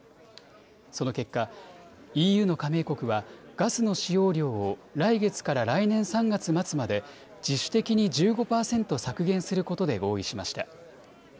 その結果、ＥＵの加盟国はガスの使用量を来月から来年３月末まで自主的に１５％削減することで合意しました。